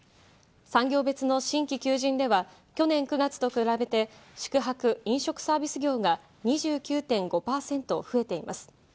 産業別の新規求人では去年９月と比べて宿泊・飲食サービス業が２９．５％増えています。